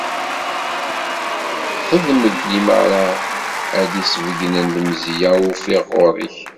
Xedm-d limara ara d-isbeyynen lemziya i ufiɣ ɣur-k.